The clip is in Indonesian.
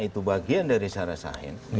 itu bagian dari sarah sahin